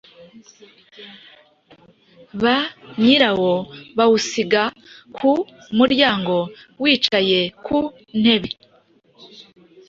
ba nyirawo bawusiga ku muryango wicaye ku ntebe